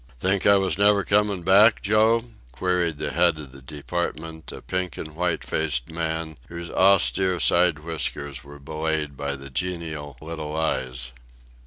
"Think I was never coming back, Joe?" queried the head of the department, a pink and white faced man, whose austere side whiskers were belied by genial little eyes.